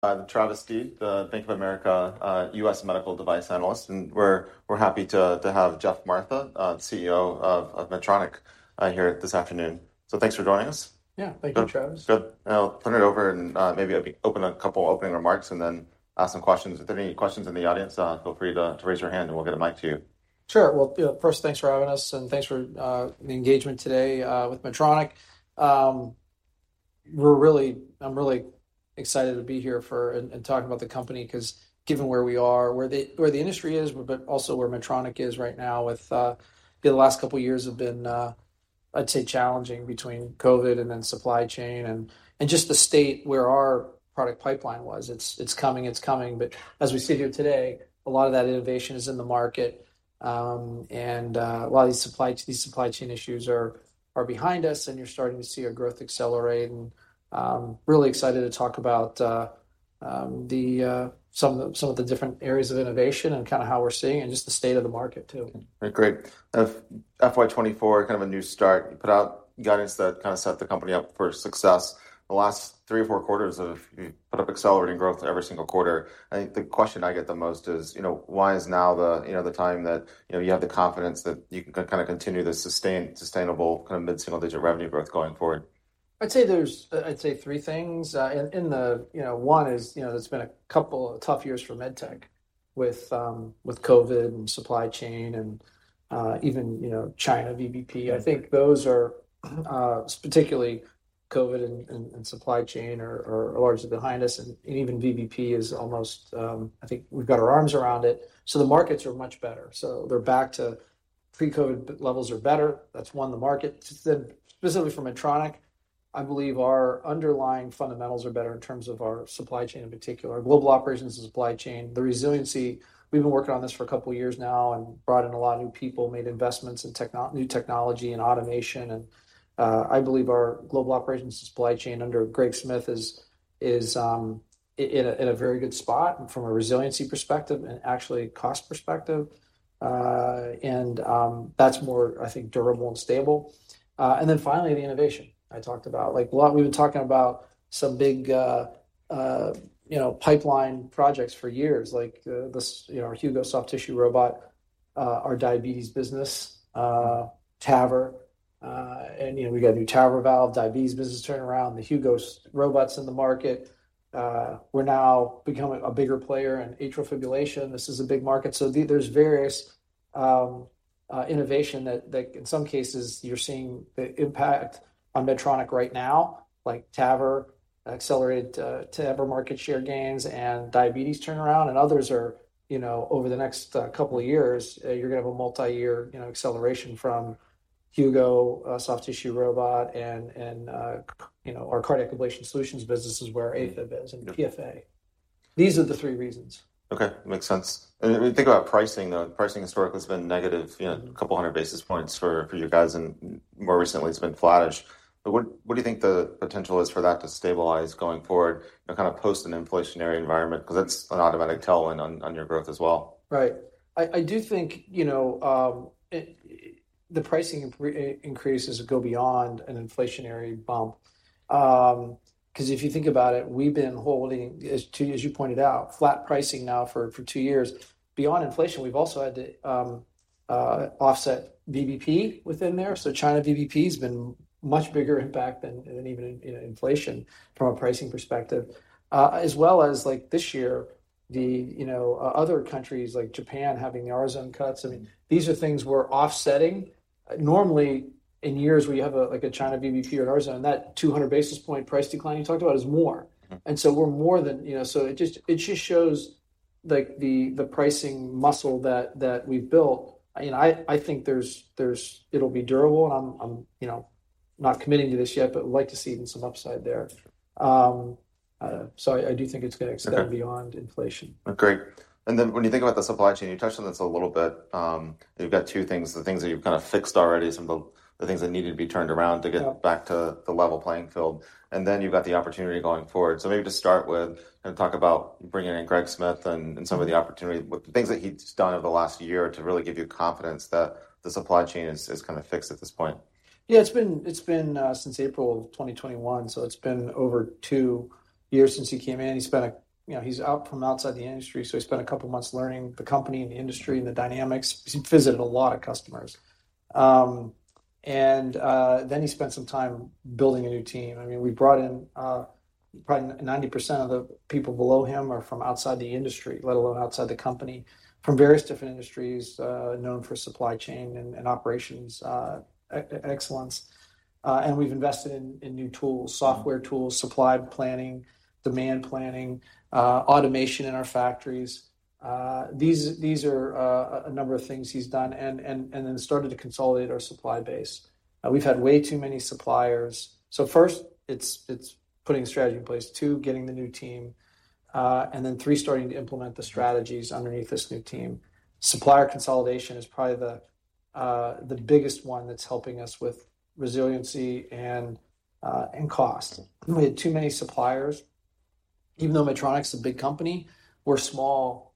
I'm Travis Steed, the Bank of America, U.S. medical device analyst, and we're happy to have Geoff Martha, CEO of Medtronic, here this afternoon. So thanks for joining us. Yeah. Thank you, Travis. Good. I'll turn it over and maybe I'll open a couple opening remarks and then ask some questions. If there are any questions in the audience, feel free to raise your hand, and we'll get a mic to you. Sure. Well, first, thanks for having us, and thanks for the engagement today with Medtronic. I'm really excited to be here and talking about the company, 'cause given where we are, where the industry is, but also where Medtronic is right now with. The last couple of years have been, I'd say, challenging between COVID and then supply chain and just the state where our product pipeline was. It's coming, but as we sit here today, a lot of that innovation is in the market, and a lot of these supply chain issues are behind us, and you're starting to see our growth accelerate. And, really excited to talk about some of the different areas of innovation and kinda how we're seeing and just the state of the market, too. Great. FY 2024 is kind of a new start. You put out guidance that kinda set the company up for success. The last three or four quarters, you put up accelerating growth every single quarter. I think the question I get the most is, why is now the, the time that, you have the confidence that you can kinda continue this sustained, sustainable kind of mid-single-digit revenue growth going forward? I'd say there's, I'd say three things and the, one is, it's been a couple of tough years for medtech with, with COVID and supply chain and, even, China VBP. I think those are, particularly COVID and supply chain are largely behind us, and even VBP is almost. I think we've got our arms around it. So the markets are much better, so they're back to pre-COVID, but levels are better. That's one, the market. Then specifically for Medtronic, I believe our underlying fundamentals are better in terms of our supply chain, in particular, global operations and supply chain. The resiliency, we've been working on this for a couple of years now and brought in a lot of new people, made investments in new technology and automation, and I believe our global operations supply chain under Greg Smith is in a very good spot from a resiliency perspective and actually cost perspective. And that's more, I think, durable and stable. And then finally, the innovation I talked about. Like, a lot, we've been talking about some big pipeline projects for years, like our Hugo soft tissue robot, our diabetes business, TAVR and we got a new TAVR valve, diabetes business turnaround, the Hugo robots in the market. We're now becoming a bigger player in atrial fibrillation. This is a big market. So there's various innovation that in some cases, you're seeing the impact on Medtronic right now, like TAVR, accelerated TAVR market share gains and diabetes turnaround, and others are, over the next couple of years, you're going to have a multiyear, acceleration from Hugo soft tissue robot and, our Cardiac Ablation Solutions business is where AFib and PFA. These are the three reasons. Okay, makes sense. And when you think about pricing, though, pricing historically has been negative, a couple of hundred basis points for you guys, and more recently, it's been flattish. But what do you think the potential is for that to stabilize going forward and kind of post an inflationary environment? Because that's an automatic tailwind on your growth as well. I do think, the pricing increases go beyond an inflationary bump. Because if you think about it, we've been holding, as you pointed out, flat pricing now for 2 years. Beyond inflation, we've also had to offset VBP within there. So China VBP has been much bigger impact than even, inflation from a pricing perspective. As well as like this year, other countries like Japan, having R-zone cuts. I mean, these are things we're offsetting. Normally, in years we have a, like a China VBP or zone, that 200 basis point price decline you talked about is more, we're more than. It just shows the pricing muscle that we've built. I think there's. It'll be durable, and I'm not committing to this yet, but I'd like to see even some upside there. So I do think it's gonna extend beyond inflation. Great. And then when you think about the supply chain, you touched on this a little bit. You've got two things: the things that you've kinda fixed already, some of the things that needed to be turned around to get back to the level playing field, and then you've got the opportunity going forward. So maybe just start with and talk about bringing in Greg Smith and some of the opportunities, with the things that he's done over the last year to really give you confidence that the supply chain is kinda fixed at this point. Yeah, it's been since April of 2021, so it's been over 2 years since he came in. He spent, he's from outside the industry, so he spent a couple of months learning the company, the industry and the dynamics. He visited a lot of customers. And then he spent some time building a new team. I mean, we brought in probably 90% of the people below him are from outside the industry, let alone outside the company, from various different industries known for supply chain and operations excellence. And we've invested in new tools, software tools supply planning, demand planning, automation in our factories. These, these are a number of things he's done and then started to consolidate our supply base. We've had way too many suppliers. So first, it's, it's putting strategy in place. Two, getting the new team, and then three, starting to implement the strategies underneath this new team. Supplier consolidation is probably the biggest one that's helping us with resiliency and cost. We had too many suppliers. Even though Medtronic's a big company, we're small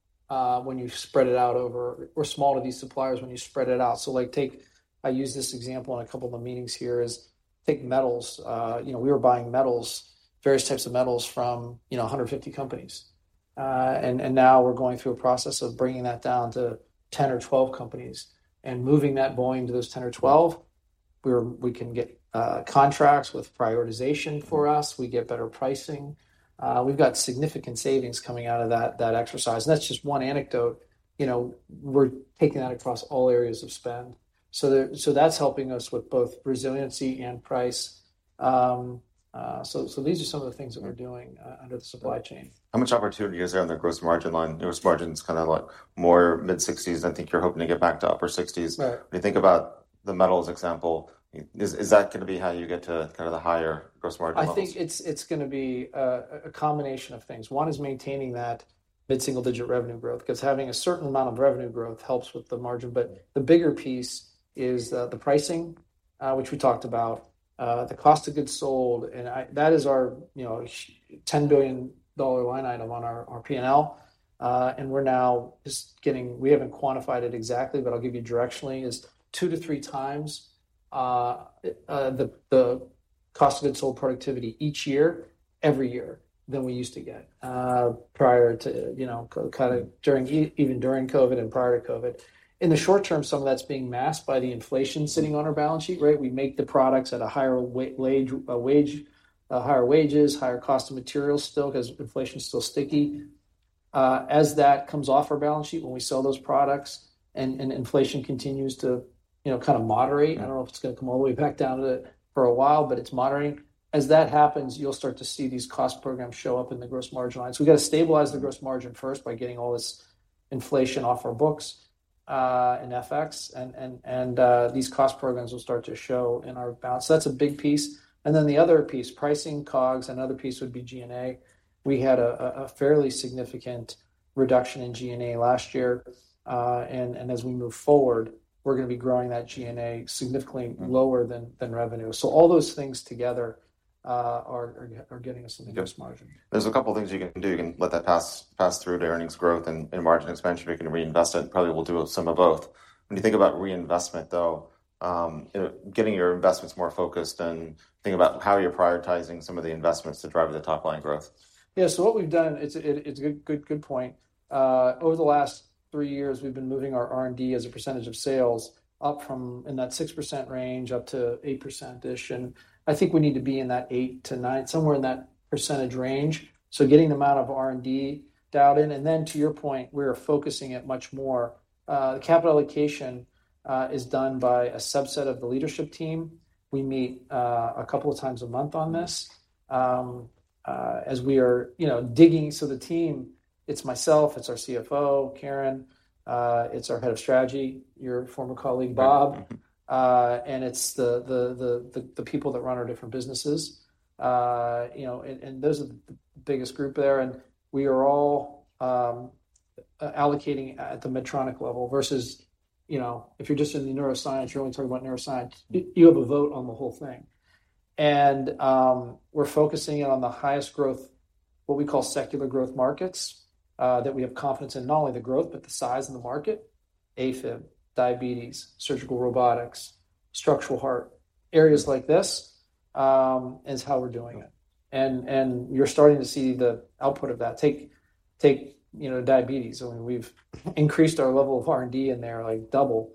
when you spread it out over. We're small to these suppliers when you spread it out. So like take, I used this example in a couple of the meetings here, is take metals. we were buying metals, various types of metals from 150 companies. Now we're going through a process of bringing that down to 10 or 12 companies, and moving that volume to those 10 or 12. We can get contracts with prioritization for us. We get better pricing. We've got significant savings coming out of that exercise, and that's just one anecdote. we're taking that across all areas of spend. So that's helping us with both resiliency and price. So these are some of the things that we're doing under the supply chain. How much opportunity is there on the gross margin line? Gross margin's kinda like more mid60s. I think you're hoping to get back to the upper sixties. When you think about the metals example, is that gonna be how you get to kind of the higher gross margin levels? I think it's gonna be a combination of things. One is maintaining that mid-single-digit revenue growth, 'cause having a certain amount of revenue growth helps with the margin. But the bigger piece is the pricing, which we talked about, the cost of goods sold, and I. That is our $10 billion line item on our P&L. And we're now just getting. We haven't quantified it exactly, but I'll give you directionally, is 2-3 times the cost of goods sold productivity each year, every year, than we used to get prior to, kind of during even during COVID and prior to COVID. In the short term, some of that's being masked by the inflation sitting on our balance sheet. We make the products at a higher wage, higher wages, higher cost of materials still 'cause inflation's still sticky. As that comes off our balance sheet, when we sell those products and inflation continues to, kind of moderate, I don't know if it's gonna come all the way back down to it for a while, but it's moderating. As that happens, you'll start to see these cost programs show up in the gross margin lines. We've got to stabilize the gross margin first by getting all this inflation off our books, and FX, and these cost programs will start to show in our balance. So that's a big piece. And then the other piece, pricing, COGS, another piece would be G&A. We had a fairly significant reduction in G&A last year, and as we move forward, we're gonna be growing that G&A significantly lower than revenue. So all those things together are getting us to the gross margin. There's a couple things you can do. You can let that pass, pass through to earnings growth and, and margin expansion. You can reinvest it, and probably we'll do some of both. When you think about reinvestment, though, getting your investments more focused and think about how you're prioritizing some of the investments to drive the top-line growth. Yeah. So what we've done it's a good point. Over the last three years, we've been moving our R&D as a percentage of sales up from in that 6% range up to 8%-ish, and I think we need to be in that 8%-9%, somewhere in that percentage range. So getting the amount of R&D dialed in, and then to your point, we are focusing it much more. The capital allocation is done by a subset of the leadership team. We meet a couple of times a month on this, as we are digging. So the team, it's myself, it's our CFO, Karen, it's our head of strategy, your former colleague, Bob, and it's the people that run our different businesses. and those are the biggest group there, and we are all allocating at the Medtronic level versus, if you're just in the Neuroscience, you're only talking about Neuroscience. You have a vote on the whole thing. And we're focusing in on the highest growth, what we call secular growth markets, that we have confidence in not only the growth, but the size of the market, AFib, diabetes, Surgical Robotics, Structural Heart, areas like this, is how we're doing it. And you're starting to see the output of that. Take diabetes, I mean, we've increased our level of R&D in there, like, double.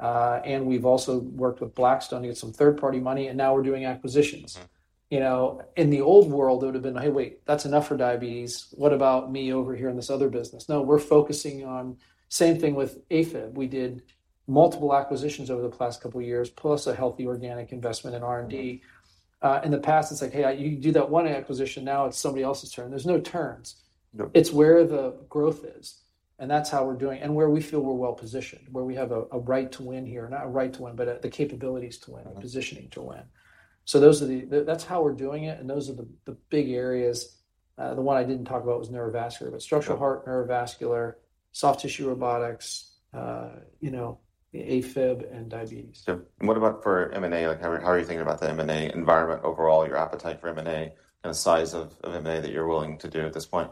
And we've also worked with Blackstone to get some third-party money, and now we're doing acquisitions. in the old world, it would've been, "Hey, wait, that's enough for diabetes. What about me over here in this other business?" Now, we're focusing on. Same thing with AFib. We did multiple acquisitions over the past couple of years, plus a healthy organic investment in R&D. In the past, it's like, "Hey, you do that one acquisition, now it's somebody else's turn." There's no turns. No. It's where the growth is, and that's how we're doing, and where we feel we're well positioned, where we have a right to win here, not a right to win, but the capabilities to win and positioning to win. So those are the, that's how we're doing it, and those are the big areas. The one I didn't talk about was Neurovascular, but Structural Heart, Neurovascular, soft tissue robotics, AFib and diabetes. So what about for M&A? Like, how are you thinking about the M&A environment overall, your appetite for M&A, and the size of M&A that you're willing to do at this point?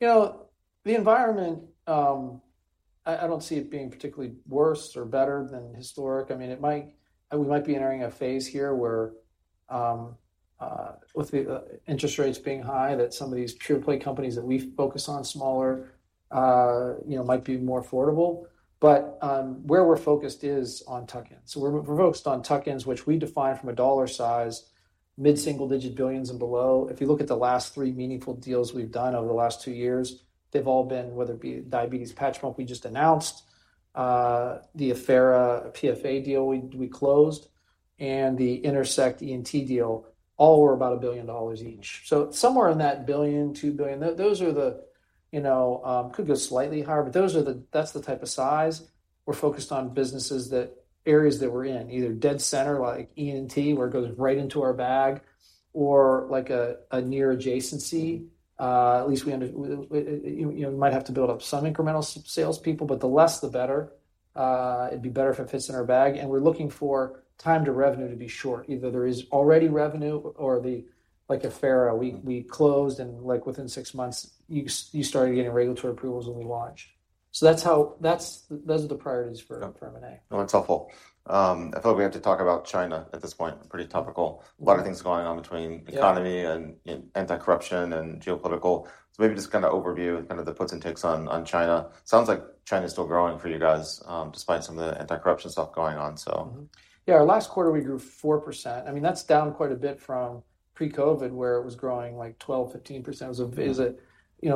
The environment, I don't see it being particularly worse or better than historic. I mean, it might, we might be entering a phase here where, with the interest rates being high, that some of these pure play companies that we focus on, smaller, might be more affordable. But, where we're focused is on tuck-ins. So we're focused on tuck-ins, which we define from a dollar size, mid-single-digit billions and below. If you look at the last three meaningful deals we've done over the last two years, they've all been, whether it be diabetes patch pump we just announced, the Affera PFA deal we closed, and the Intersect ENT deal, all were about $1 billion each. So somewhere in that $1 billion-$2 billion, those are the Could go slightly higher, but those are the that's the type of size. We're focused on businesses that areas that we're in, either dead center, like ENT, where it goes right into our bag, or like a near adjacency. At least we understand you might have to build up some incremental sales people, but the less, the better. It'd be better if it fits in our bag, and we're looking for time to revenue to be short. Either there is already revenue or the like Affera, we closed and like within six months, you started getting regulatory approvals when we launched. So that's how that's, those are the priorities for, for M&A. No, that's helpful. I feel like we have to talk about China at this point. Pretty topical a lot of things going on between the economy and anti-corruption and geopolitical. So maybe just kind of overview, kind of the puts and takes on China. Sounds like China is still growing for you guys, despite some of the anti-corruption stuff going on. Our last quarter, we grew 4%. I mean, that's down quite a bit from pre-COVID, where it was growing, like, 12, 15%. we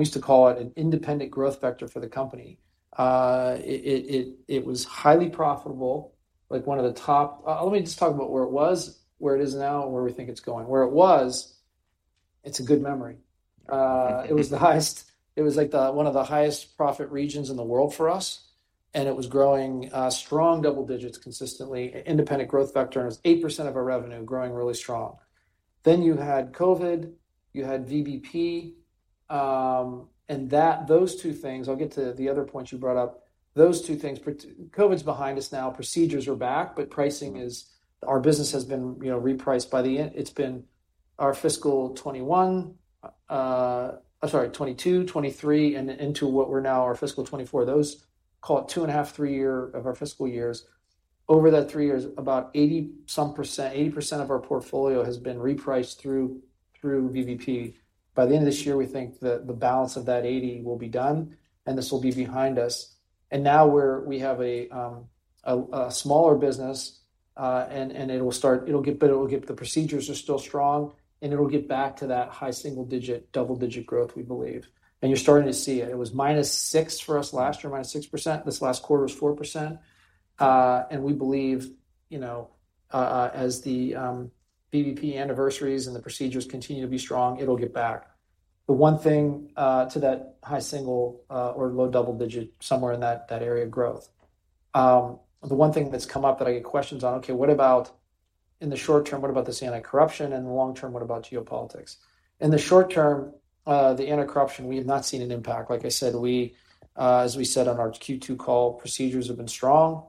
used to call it an independent growth vector for the company. It was highly profitable, like, one of the top. Let me just talk about where it was, where it is now, and where we think it's going. Where it was, it's a good memory. It was, like, the, one of the highest profit regions in the world for us, and it was growing strong double digits, consistently. Independent growth vector, and it was 8% of our revenue, growing really strong. Then you had COVID, you had VBP, and that, those two things. I'll get to the other point you brought up. Those two things, part COVID's behind us now. Procedures are back, but pricing is—our business has been, repriced by the end. It's been our fiscal 2021, sorry, 2022, 2023, and into what we're now our fiscal 2024. Those, call it 2.5, three years of our fiscal years. Over that 3 years, about 80-some%, 80% of our portfolio has been repriced through, through VBP. By the end of this year, we think that the balance of that 80 will be done, and this will be behind us. And now we're, we have a, a smaller business, and, and it'll start it'll get better. It'll get the procedures are still strong, and it'll get back to that high single-digit, double-digit growth, we believe. And you're starting to see it. It was -6% for us last year, -6%. This last quarter was 4%. And we believe, as the VBP anniversaries and the procedures continue to be strong, it'll get back. But one thing to that high single-digit or low double-digit, somewhere in that area of growth. The one thing that's come up that I get questions on: "Okay, what about in the short term, what about this anti-corruption, and in the long term, what about geopolitics?" In the short term, the anti-corruption, we have not seen an impact. Like I said, we, as we said on our Q2 call, procedures have been strong.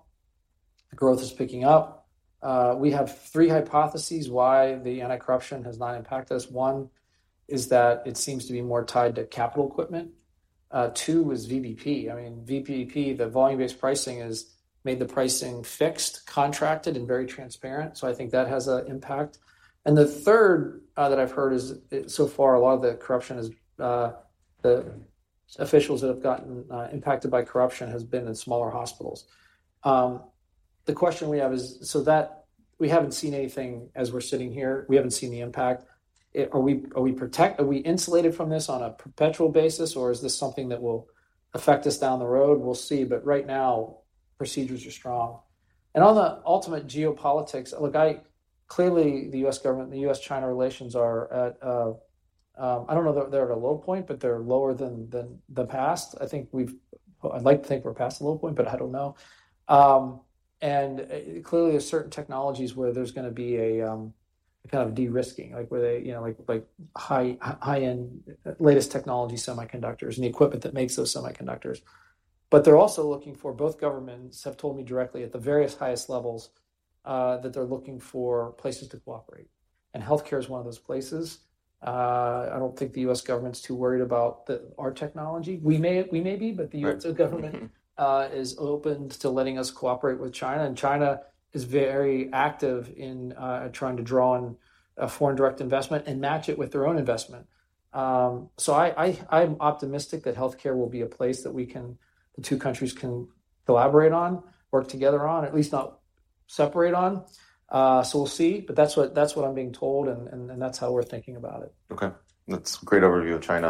The growth is picking up. We have three hypotheses why the anti-corruption has not impacted us. One, is that it seems to be more tied to capital equipment. Two is VBP. I mean, VBP, the volume-based pricing, has made the pricing fixed, contracted, and very transparent, so I think that has an impact. And the third, that I've heard is, it, so far, a lot of the corruption is, the officials that have gotten impacted by corruption has been in smaller hospitals. The question we have is, so that we haven't seen anything as we're sitting here. We haven't seen the impact. Are we, are we protect- are we insulated from this on a perpetual basis, or is this something that will affect us down the road? We'll see, but right now, procedures are strong. And on the ultimate geopolitics, look, I clearly, the U.S. government and the U.S.-China relations are at. I don't know if they're at a low point, but they're lower than the past. I think we've. I'd like to think we're past the low point, but I don't know. Clearly, there's certain technologies where there's gonna be a kind of de-risking, like, where they, like, high-end, latest technology semiconductors and the equipment that makes those semiconductors. But they're also looking for both governments have told me directly at the various highest levels that they're looking for places to cooperate, and healthcare is one of those places. I don't think the U.S. government's too worried about our technology. We may, we may be, but the U.S. government is open to letting us cooperate with China, and China is very active in trying to draw in a foreign direct investment and match it with their own investment. So I’m optimistic that healthcare will be a place that we can, the two countries can collaborate on, work together on, at least not separate on. So we’ll see, but that’s what I’m being told, and that’s how we’re thinking about it. Okay. That's a great overview of China.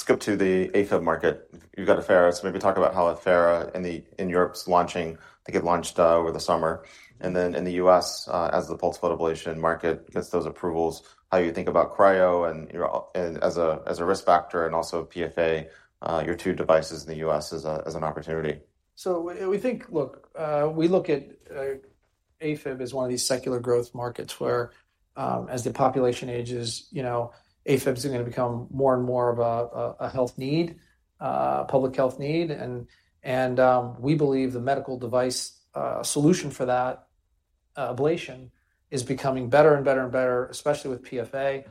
Skip to the AFib market. You've got Affera, so maybe talk about how Affera in the in Europe is launching, I think it launched over the summer. And then in the U.S., as the pulse ablation market gets those approvals, how you think about cryo and, as a risk factor, and also PFA, your two devices in the U.S. as an opportunity. So we think. Look, we look at AFib as one of these secular growth markets, where as the population ages, AFib is gonna become more and more of a health need, public health need. And we believe the medical device solution for that, ablation, is becoming better and better and better, especially with PFA.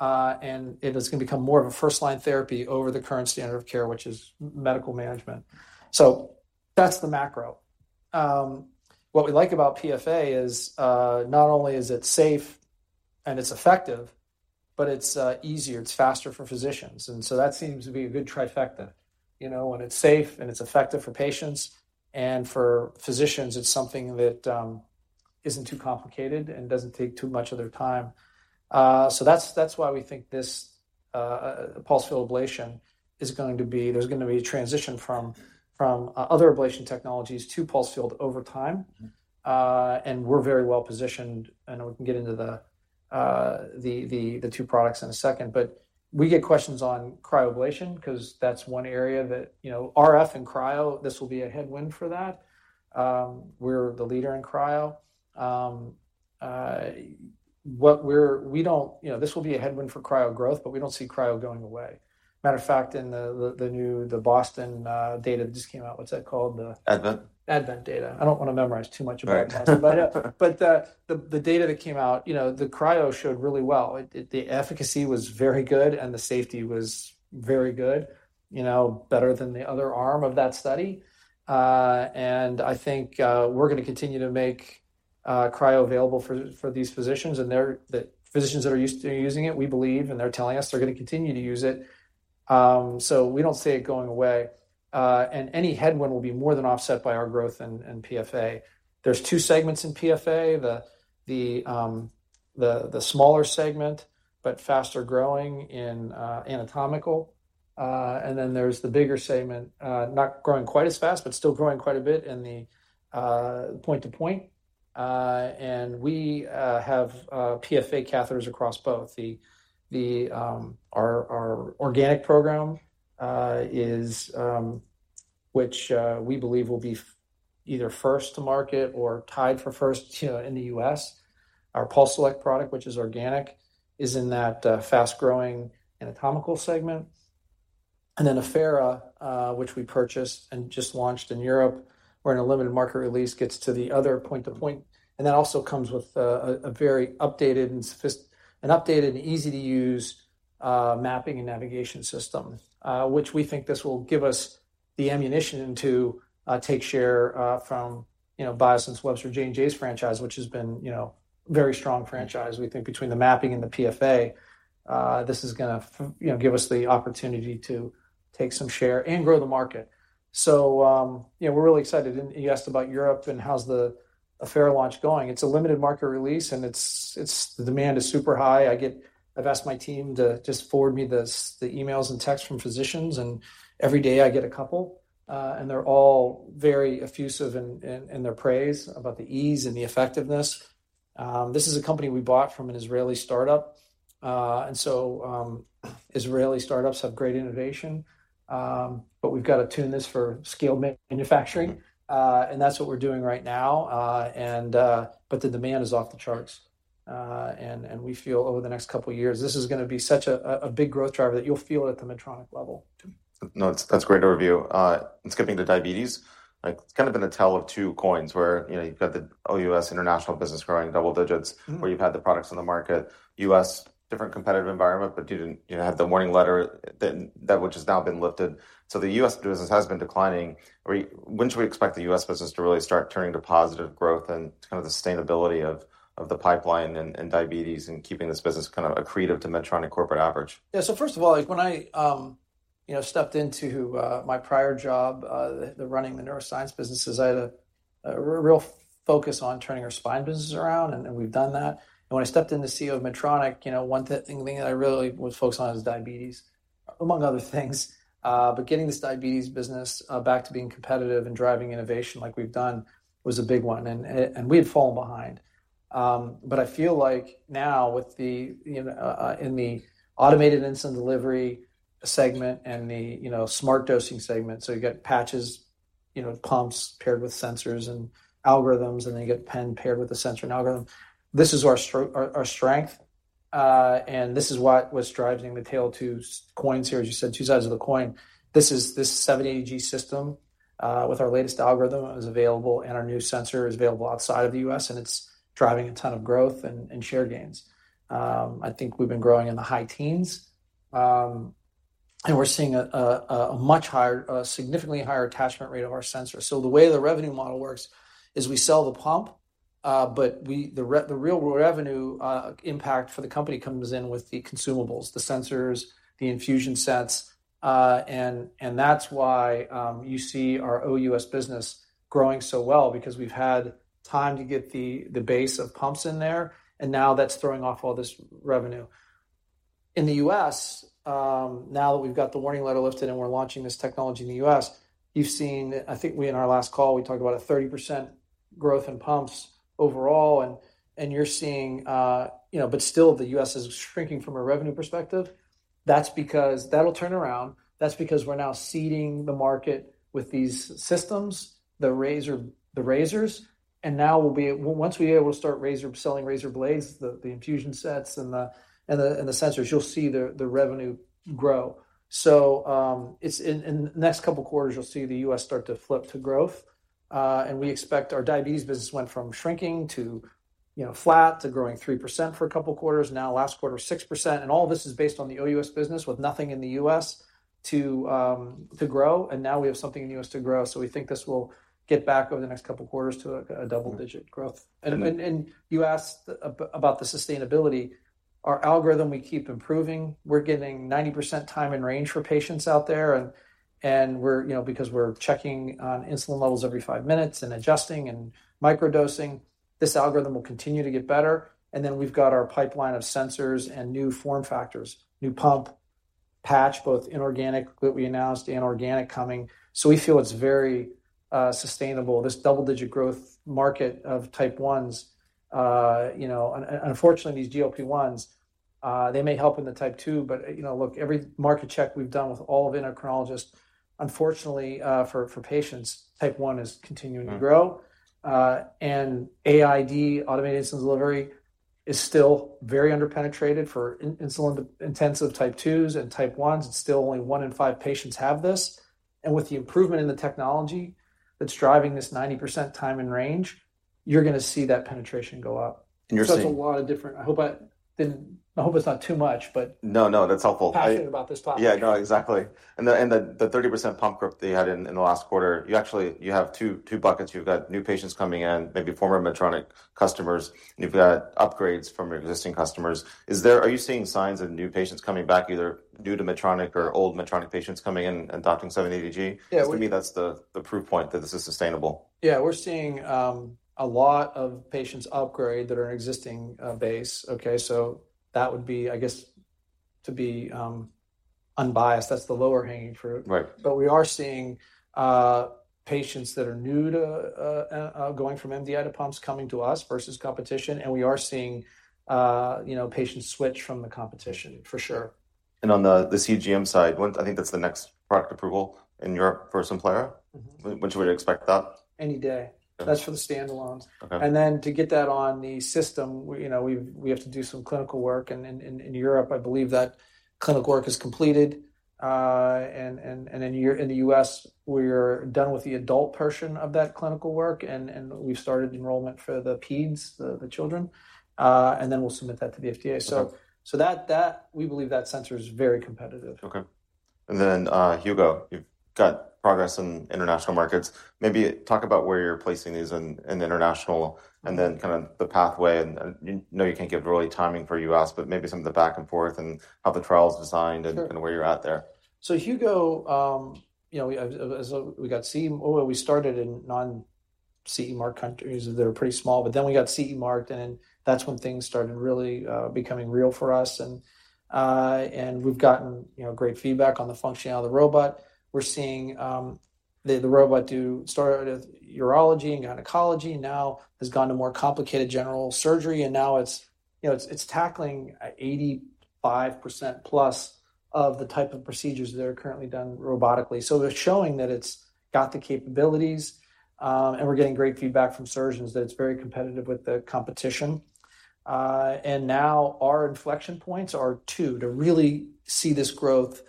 And it is gonna become more of a first-line therapy over the current standard of care, which is medical management. So that's the macro. What we like about PFA is not only is it safe and it's effective, but it's easier, it's faster for physicians, and so that seems to be a good Trifecta. when it's safe and it's effective for patients, and for physicians, it's something that isn't too complicated and doesn't take too much of their time. So that's why we think this pulsed field ablation is going to be. There's gonna be a transition from other ablation technologies to pulsed field over time and we're very well positioned, and we can get into the two products in a second. But we get questions on cryoablation, 'cause that's one area that, RF and cryo, this will be a headwind for that. We're the leader in cryo. We don't, this will be a headwind for cryo growth, but we don't see cryo going away. Matter of fact, in the new Boston data that just came out, what's that called? The- ADVENT. ADVENT data. I don't want to memorize too much about it But the data that came out, the cryo showed really well. The efficacy was very good, and the safety was very good, better than the other arm of that study. And I think, we're gonna continue to make cryo available for these physicians, and the physicians that are used to using it, we believe, and they're telling us they're gonna continue to use it. So we don't see it going away. And any headwind will be more than offset by our growth in PFA. There's two segments in PFA: the smaller segment, but faster-growing in anatomical, and then there's the bigger segment, not growing quite as fast, but still growing quite a bit in the point-to-point. And we have PFA catheters across both. Our organic program, which we believe will be either first to market or tied for first, in the U.S. Our PulseSelect product, which is organic, is in that fast-growing anatomical segment. And then Affera, which we purchased and just launched in Europe, we're in a limited market release, gets to the other point to point, and that also comes with a very updated and an updated and easy-to-use mapping and navigation system. Which we think this will give us the ammunition to take share from, Biosense Webster, J&J's franchise, which has been, a very strong franchise. We think between the mapping and the PFA, this is gonna give us the opportunity to take some share and grow the market. So, we're really excited. And you asked about Europe and how's the Affera launch going? It's a limited market release, and it's the demand is super high. I've asked my team to just forward me the emails and texts from physicians, and every day I get a couple, and they're all very effusive in their praise about the ease and the effectiveness. This is a company we bought from an Israeli start-up. And so, Israeli start-ups have great innovation, but we've got to tune this for scale manufacturing, and that's what we're doing right now, but the demand is off the charts. And we feel over the next couple of years, this is gonna be such a big growth driver that you'll feel it at the Medtronic level, too. No, that's great overview. And skipping to diabetes, like, it's kind of been a tale of two coins where, you've got the OUS international business growing double digits. Where you've had the products on the market, U.S., different competitive environment, but you didn't, have the warning letter then, that which has now been lifted. So the U.S. business has been declining. When should we expect the U.S. business to really start turning to positive growth and kind of the sustainability of the pipeline and diabetes, and keeping this business kind of accretive to Medtronic corporate average? Yeah. So first of all, like, when I stepped into my prior job, running the neuroscience businesses, I had a real focus on turning our spine business around, and we've done that. When I stepped in as CEO of Medtronic, one thing that I really would focus on is diabetes, among other things. But getting this diabetes business back to being competitive and driving innovation like we've done was a big one, and we had fallen behind. But I feel like now with the in the automated insulin delivery segment and the smart dosing segment, so you got patches, pumps paired with sensors and algorithms, and then you get pen paired with a sensor and algorithm. This is our strength, and this is what was driving the tale of two coins here, as you said, two sides of the coin. This is the 780G system with our latest algorithm is available, and our new sensor is available outside of the U.S, and it's driving a ton of growth and share gains. I think we've been growing in the high teens, and we're seeing a much higher, a significantly higher attachment rate of our sensor. So the way the revenue model works is we sell the pump, but the real revenue impact for the company comes in with the consumables, the sensors, the infusion sets, and that's why you see our OU.S. business growing so well because we've had time to get the base of pumps in there, and now that's throwing off all this revenue. In the U.S., now that we've got the warning letter lifted and we're launching this technology in the U.S., you've seen. I think we in our last call, we talked about a 30% growth in pumps overall and you're seeing, but still the U.S. is shrinking from a revenue perspective. That's because. That'll turn around. That's because we're now seeding the market with these systems, the razor, the razors, and now we'll be. Once we are able to start selling razor blades, the infusion sets, and the sensors, you'll see the revenue grow. So, it's in the next couple of quarters, you'll see the U.S. start to flip to growth, and we expect our diabetes business went from shrinking to, flat, to growing 3% for a couple of quarters, now last quarter, 6%, and all this is based on the OU.S. business, with nothing in the U.S. to grow, and now we have something in the U.S. to grow. So we think this will get back over the next couple of quarters to a double-digit growth. You asked about the sustainability. Our algorithm, we keep improving. We're getting 90% time in range for patients out there, and we're, because we're checking on insulin levels every five minutes and adjusting and microdosing, this algorithm will continue to get better, and then we've got our pipeline of sensors and new form factors, new pump, patch, both inorganic that we announced and organic coming. So we feel it's very sustainable, this double-digit growth market of Type 1s. Unfortunately, these GLP-1 ones may help in the Type 2, but, look, every market check we've done with all endocrinologists, unfortunately, for patients, Type 1 is continuing to grow. AID, automated insulin delivery, is still very under-penetrated for insulin-intensive Type 2s and Type 1s. It's still only one in five patients have this, and with the improvement in the technology that's driving this 90% time in range, you're gonna see that penetration go up. And you're seeing- So that's a lot of different. I hope it's not too much, but- No, no, that's helpful. I- Passionate about this topic. Yeah, no, exactly. And the 30% pump growth that you had in the last quarter, you actually have two buckets. You've got new patients coming in, maybe former Medtronic customers, and you've got upgrades from your existing customers. Is there are you seeing signs of new patients coming back, either new to Medtronic or old Medtronic patients coming in and adopting 780G? To me, that's the proof point that this is sustainable. Yeah, we're seeing a lot of patients upgrade that are in existing base. Okay, so that would be, I guess, to be unbiased, that's the lower-hanging fruit. But we are seeing patients that are new to going from MDI to pumps coming to us versus competition, and we are seeing, patients switch from the competition, for sure. On the CGM side, when I think that's the next product approval in Europe for Simplera? When do we expect that? Any day. Okay. That's for the standalones. Okay. Then to get that on the system, we, we have to do some clinical work, and in Europe, I believe that clinical work is completed and in the U.S., we're done with the adult portion of that clinical work, and we've started enrollment for the peds, the children, and then we'll submit that to the FDA. So, we believe that sensor is very competitive. Okay. And then, Hugo, you've got progress in international markets. Maybe talk about where you're placing these in the international, and then kind of the pathway. And, I know you can't give really timing for U.S, but maybe some of the back and forth and how the trial is designed? Sure. and where you're at there. So Hugo, we got CE Mark. Well, we started in non-CE Mark countries, they were pretty small, but then we got CE marked, and that's when things started really becoming real for us. And we've gotten, great feedback on the functionality of the robot. We're seeing the robot do started with urology and gynecology, now has gone to more complicated general surgery, and now it's, it's tackling 85% plus of the type of procedures that are currently done robotically. So they're showing that it's got the capabilities, and we're getting great feedback from surgeons that it's very competitive with the competition. And now our inflection points are 2 to really see this growth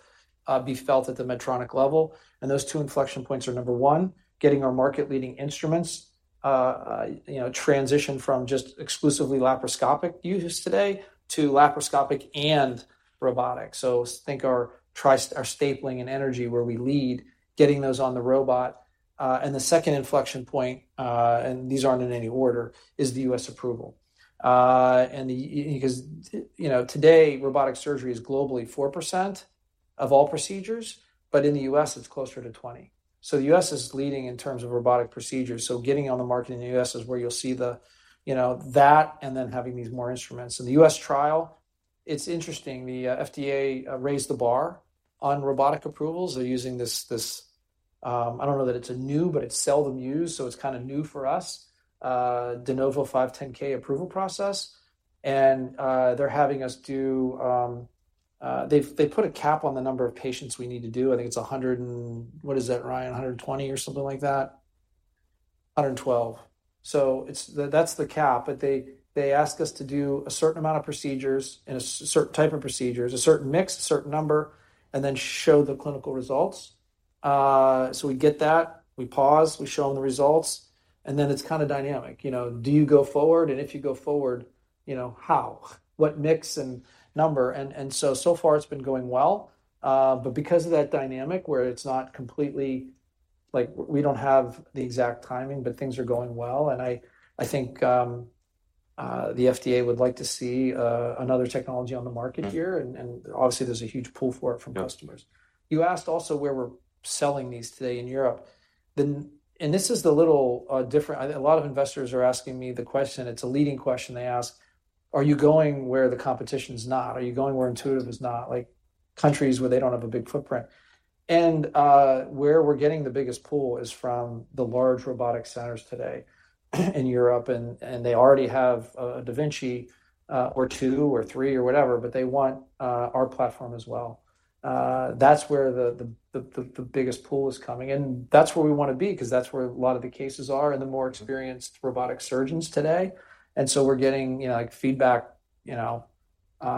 be felt at the Medtronic level, and those two inflection points are number 1, getting our market-leading instruments, transition from just exclusively laparoscopic uses today to laparoscopic and robotic. So think our tri-- our stapling and energy, where we lead, getting those on the robot. And the second inflection point, and these aren't in any order, is the U.S. approval. 'Cause, today, robotic surgery is globally 4% of all procedures, but in the U.S., it's closer to 20. So the U.S. is leading in terms of robotic procedures, so getting on the market in the U.S. is where you'll see the, that, and then having these more instruments. The U.S. trial, it's interesting, the FDA raised the bar on robotic approvals. They're using this, this. I don't know that it's a new, but it's seldom used, so it's kind of new for us, de novo 510(k) approval process. And they're having us do, they've-- they put a cap on the number of patients we need to do. I think it's 100 and what is that, Ryan? 120 or something like that? 112. So it's that's the cap, but they, they ask us to do a certain amount of procedures and a certain type of procedures, a certain mix, a certain number, and then show the clinical results. So we get that, we pause, we show them the results, and then it's kind of dynamic. do you go forward? And if you go forward, how? What mix and number? And so, so far, it's been going well, but because of that dynamic where it's not completely. Like, we don't have the exact timing, but things are going well. And I think the FDA would like to see another technology on the market here, and obviously, there's a huge pull for it from customers. You asked also where we're selling these today in Europe. And this is a little different. A lot of investors are asking me the question, it's a leading question they ask: "Are you going where the competition's not? Are you going where Intuitive is not, like countries where they don't have a big footprint?" And where we're getting the biggest pull is from the large robotic centers today in Europe, and they already have a Da Vinci, or two, or three, or whatever, but they want our platform as well. That's where the biggest pull is coming, and that's where we want to be, 'cause that's where a lot of the cases are and the more experienced robotic surgeons today. And so we're getting, like, feedback,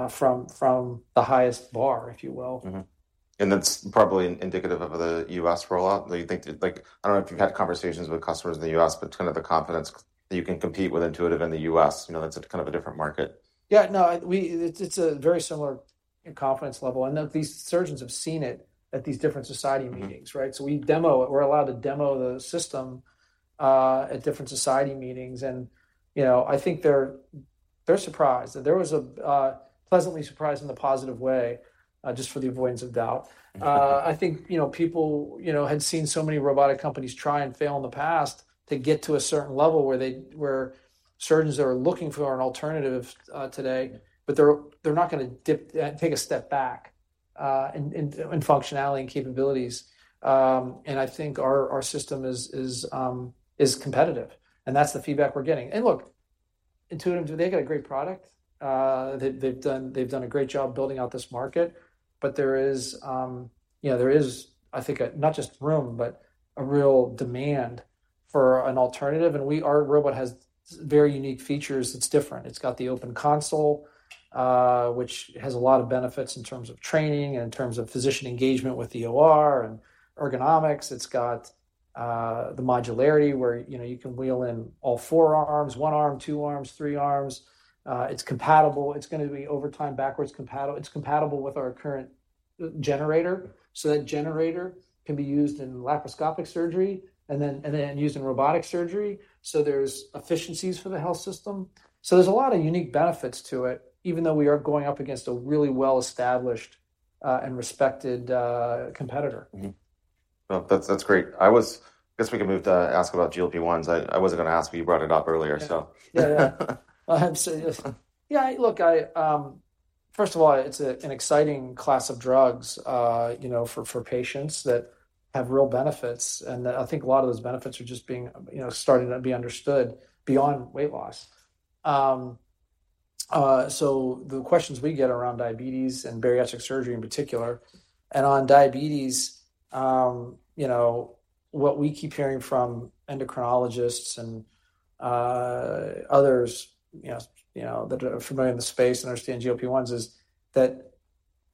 from the highest bar, if you will. That's probably indicative of the U.S. rollout, do you think? Like, I don't know if you've had conversations with customers in the U.S., but kind of the confidence that you can compete with Intuitive in the U.S. that's a kind of a different market. Yeah, no. It's a very similar confidence level, and then these surgeons have seen it at these different society meetings, right? So we demo it. We're allowed to demo the system at different society meetings, and, I think they're surprised. There was a pleasantly surprised in a positive way, just for the avoidance of doubt. I think, people, had seen so many robotic companies try and fail in the past to get to a certain level where surgeons are looking for an alternative today, but they're not gonna take a step back and functionality and capabilities. And I think our system is competitive, and that's the feedback we're getting. And look, Intuitive, they've got a great product. They've done a great job building out this market, but there is, there is, I think, not just room, but a real demand for an alternative. Our robot has very unique features. It's different. It's got the open console, which has a lot of benefits in terms of training and in terms of physician engagement with the OR and ergonomics. It's got the modularity where, you can wheel in all four arms, one arm, two arms, three arms. It's compatible. It's compatible with our current generator. So that generator can be used in laparoscopic surgery and then used in robotic surgery, so there's efficiencies for the health system. So there's a lot of unique benefits to it, even though we are going up against a really well-established, and respected, competitor. Well, that's, that's great. I guess we can move to ask about GLP-1. I wasn't gonna ask, but you brought it up earlier, so. Yeah. Yeah. So yeah, look, I. First of all, it's an exciting class of drugs, for patients that have real benefits. And I think a lot of those benefits are just being, starting to be understood beyond weight loss. So the questions we get around diabetes and bariatric surgery in particular, and on diabetes, what we keep hearing from endocrinologists and others, that are familiar with the space and understand GLP-1 is that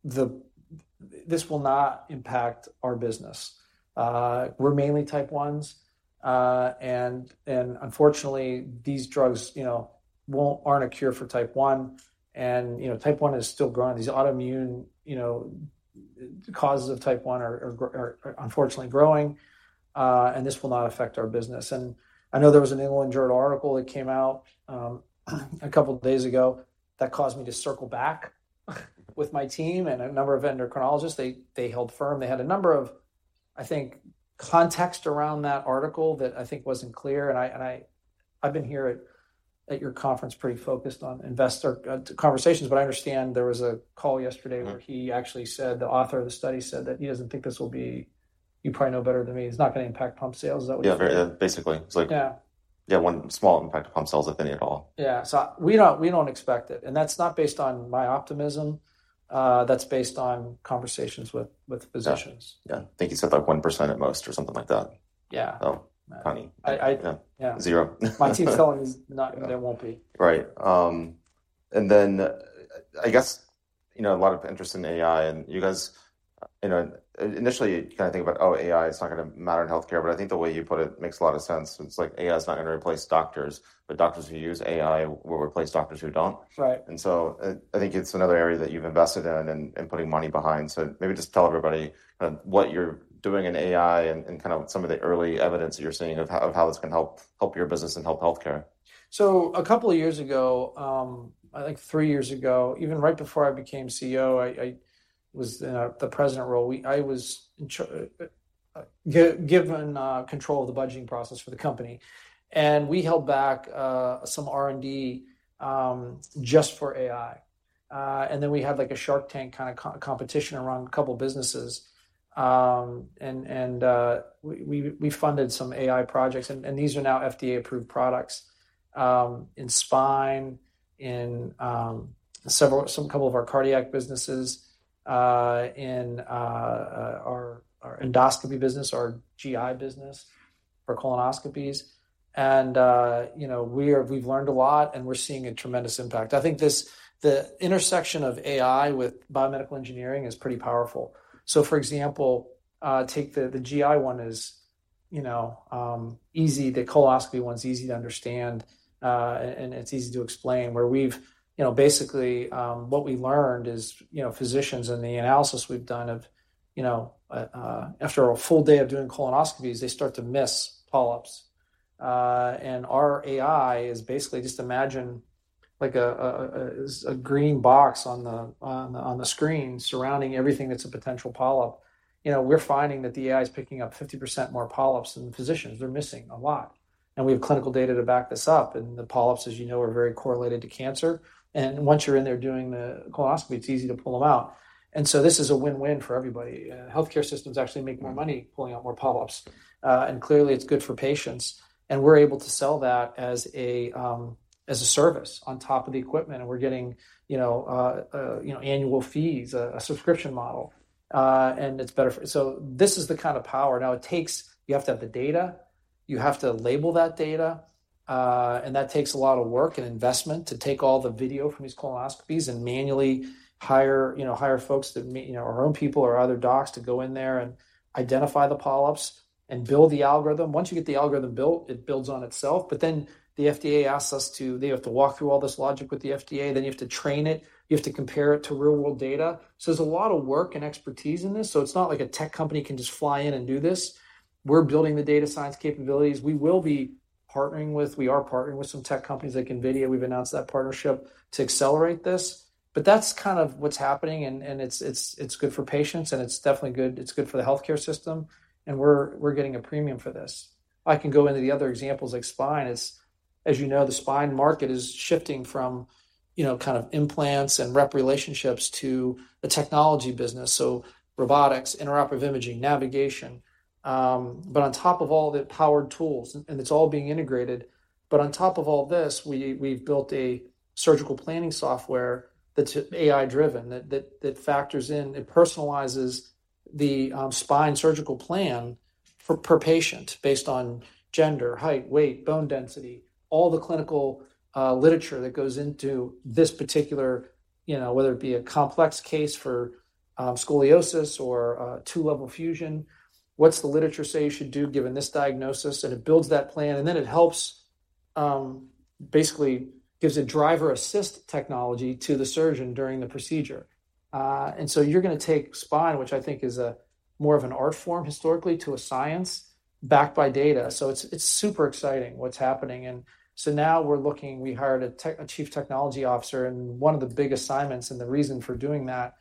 this will not impact our business. We're mainly Type 1s, and unfortunately, these drugs, aren't a cure for Type 1, and, Type 1 is still growing. These autoimmune, causes of Type 1 are unfortunately growing, and this will not affect our business. And I know there was a New England Journal article that came out, a couple of days ago that caused me to circle back with my team and a number of endocrinologists. They held firm. They had a number of, I think, context around that article that I think wasn't clear. And I've been here at your conference, pretty focused on investor conversations, but I understand there was a call yesterday. where he actually said, the author of the study said that he doesn't think this will be. You probably know better than me. It's not gonna impact pump sales. Is that what you said? Yeah, very basically. It's like- Yeah, one small impact to pump sales, if any at all. Yeah. So we don't expect it, and that's not based on my optimism, that's based on conversations with physicians. Yeah. Yeah. I think he said, like, 1% at most or something like that. Oh, funny. I, I Zero. My team's telling me it's not, there won't be. Right. And then, I guess, a lot of interest in AI, and you guys, initially, you kind of think about, oh, AI, it's not gonna matter in healthcare, but I think the way you put it makes a lot of sense. It's like AI is not gonna replace doctors, but doctors who use AI will replace doctors who don't. And so I think it's another area that you've invested in and putting money behind. So maybe just tell everybody what you're doing in AI and kind of some of the early evidence you're seeing of how it's gonna help your business and help healthcare. So a couple of years ago, I think 3 years ago, even right before I became CEO, I was in the president role. I was given control of the budgeting process for the company, and we held back some R&D just for AI. And then we had, like, a Shark Tank kind of competition around a couple businesses. And we funded some AI projects, and these are now FDA-approved products in spine, in a couple of our cardiac businesses, in our endoscopy business, our GI business for colonoscopies. And we've learned a lot, and we're seeing a tremendous impact. I think this, the intersection of AI with biomedical engineering is pretty powerful. So for example, take the GI one is, easy. The colonoscopy one's easy to understand, and it's easy to explain, where we've. basically, what we learned is, physicians and the analysis we've done of, after a full day of doing colonoscopies, they start to miss polyps. And our AI is basically just imagine, like, a green box on the screen surrounding everything that's a potential polyp. we're finding that the AI is picking up 50% more polyps than the physicians. They're missing a lot. And we have clinical data to back this up, and the polyps, as are very correlated to cancer. And once you're in there doing the colonoscopy, it's easy to pull them out. So this is a win-win for everybody. Healthcare systems actually make more money pulling out more polyps. And clearly, it's good for patients, and we're able to sell that as a, as a service on top of the equipment, and we're getting, annual fees, a, a subscription model. And it's better for. So this is the kind of power. Now, it takes, you have to have the data, you have to label that data, and that takes a lot of work and investment to take all the video from these colonoscopies and manually hire, hire folks to our own people or other docs to go in there and identify the polyps and build the algorithm. Once you get the algorithm built, it builds on itself, but then the FDA asks us to—they have to walk through all this logic with the FDA, then you have to train it. You have to compare it to real-world data. So there's a lot of work and expertise in this, so it's not like a tech company can just fly in and do this. We're building the data science capabilities. We will be partnering with—We are partnering with some tech companies like NVIDIA. We've announced that partnership to accelerate this. But that's kind of what's happening, and it's good for patients, and it's definitely good—it's good for the healthcare system, and we're getting a premium for this. I can go into the other examples, like spine, it's-. As the spine market is shifting from, kind of implants and rep relationships to a technology business, so robotics, intraoperative imaging, navigation, but on top of all the powered tools, and it's all being integrated. But on top of all this, we've built a surgical planning software that's AI-driven, that factors in, it personalizes the spine surgical plan per patient based on gender, height, weight, bone density, all the clinical literature that goes into this particular, whether it be a complex case for scoliosis or a two-level fusion. What's the literature say you should do, given this diagnosis? And it builds that plan, and then it helps basically gives a driver-assist technology to the surgeon during the procedure. And so you're gonna take spine, which I think is a more of an art form historically to a science, backed by data. So it's super exciting what's happening. And so now we're looking, we hired a tech, a chief technology officer, and one of the big assignments, and the reason for doing that,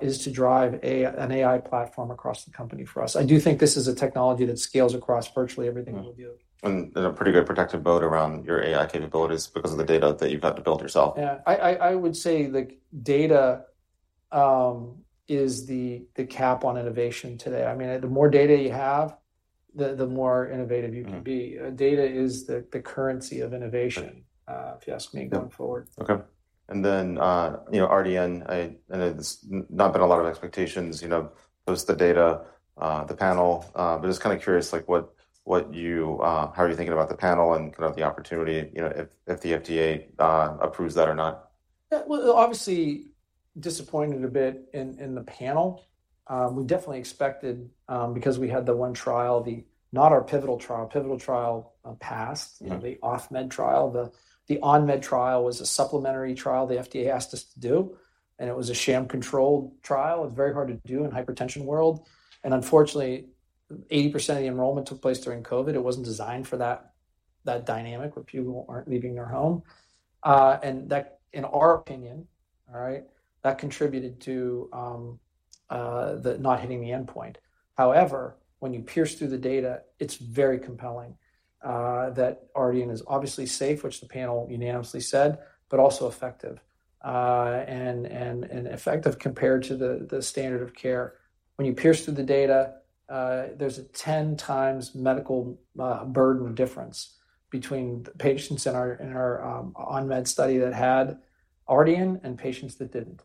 is to drive a, an AI platform across the company for us. I do think this is a technology that scales across virtually everything we do. And a pretty good protective moat around your AI capabilities because of the data that you've had to build yourself. Yeah. I would say the data is the cap on innovation today. I mean, the more data you have, the more innovative you can be. Data is the currency of innovation if you ask me going forward. Okay. And then, Ardian, and it's not been a lot of expectations, post the data, the panel, but just kind of curious, like, what, what you, how are you thinking about the panel and kind of the opportunity, if, if the FDA approves that or not? Yeah, well, obviously disappointed a bit in the panel. We definitely expected, because we had the one trial, not our pivotal trial, pivotal trial passed. The off-med trial. The on-med trial was a supplementary trial the FDA asked us to do, and it was a sham control trial. It's very hard to do in hypertension world, and unfortunately, 80% of the enrollment took place during COVID. It wasn't designed for that dynamic where people aren't leaving their home. And that, in our opinion, all right, contributed to the not hitting the endpoint. However, when you pierce through the data, it's very compelling that Ardian is obviously safe, which the panel unanimously said, but also effective, and effective compared to the standard of care. When you pierce through the data, there's a 10 times medical burden difference between the patients in our on-med study that had Ardian and patients that didn't.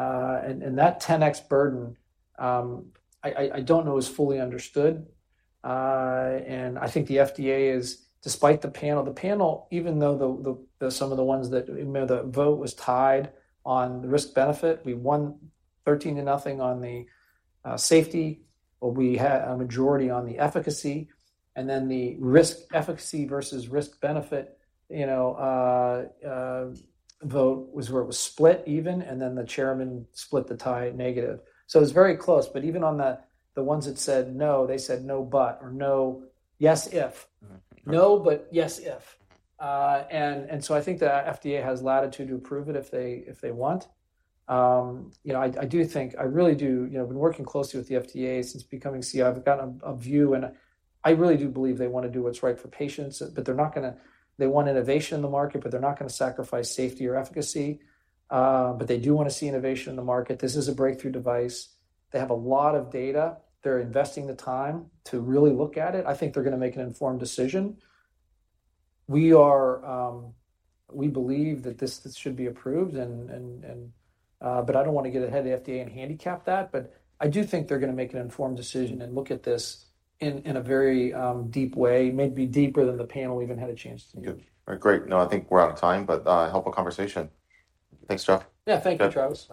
That 10x burden, I don't know, is fully understood. I think the FDA is, despite the panel, even though some of the ones that, the vote was tied on risk benefit, we won 13-0 on the safety, but we had a majority on the efficacy, and then the risk efficacy versus risk benefit, vote was where it was split even, and then the chairman split the tie negative. So it was very close, but even on the ones that said no, they said no but or no. Yes, if. No, but yes, if. So I think the FDA has latitude to approve it if they want. I do think, I really do. I've been working closely with the FDA since becoming CEO. I've got a view, and I really do believe they wanna do what's right for patients, but they're not gonna. They want innovation in the market, but they're not gonna sacrifice safety or efficacy. But they do wanna see innovation in the market. This is a breakthrough device. They have a lot of data. They're investing the time to really look at it. I think they're gonna make an informed decision. We are, we believe that this should be approved, and, uh. But I don't wanna get ahead of the FDA and handicap that, but I do think they're gonna make an informed decision and look at this in a very deep way, maybe deeper than the panel even had a chance to do. Good. Great. No, I think we're out of time, but helpful conversation. Thanks, Jeff. Yeah. Thank you, Travis.